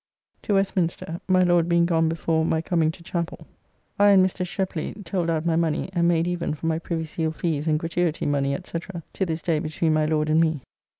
To Westminster, my Lord being gone before my coming to chapel. I and Mr. Sheply told out my money, and made even for my Privy Seal fees and gratuity money, &c., to this day between my Lord and me.